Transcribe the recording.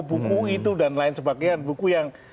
buku itu dan lain sebagainya buku yang